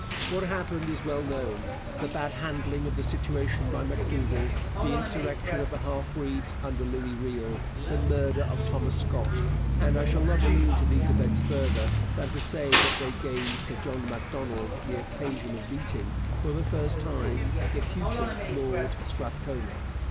What happened is well known the bad handling of the situation by M'Dougall, the insurrection of the half breeds under Louis Riel, the murder of Thomas Scott and I shall not allude to these events further than to say that they gave Sir John Macdonald the occasion of meeting, for the first time, the future Lord Strathcona.